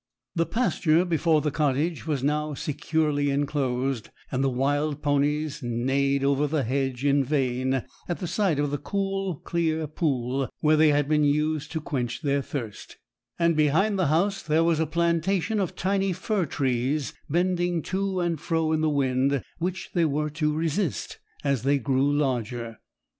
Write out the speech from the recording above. The pasture before the cottage was now securely enclosed, and the wild ponies neighed over the hedge in vain at the sight of the clear, cool pool where they had been used to quench their thirst; and behind the house there was a plantation of tiny fir trees bending to and fro in the wind, which they were to resist as they grew larger.